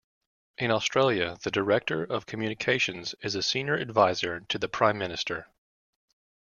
In Australia, the director of communications is a senior adviser to the Prime Minister.